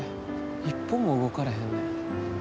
一歩も動かれへんねん。